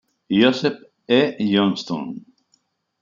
Joseph E. Johnston.